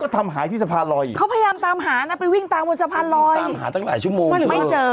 ตามหาตั้งหลายชั่วโมงคือมันหรือไม่เจอ